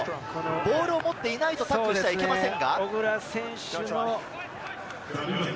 ボールを持っていないと、タックルしてはいけません。